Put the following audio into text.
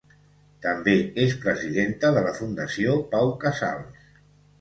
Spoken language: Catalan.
També és presidenta de la Fundació Pau Casals.